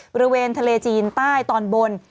บริเวณทะเลจีนใต้ตอนบน